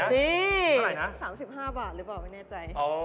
เท่าไหร่นะ๓๕บาทหรือเปล่าไม่แน่ใจ